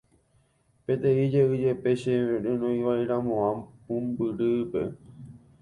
peteĩ jey jepe che renoiva'eramo'ã pumbyrýpe